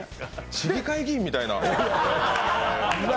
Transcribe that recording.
市議会議員みたいな。